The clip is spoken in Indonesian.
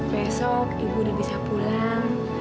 besok ibu udah bisa pulang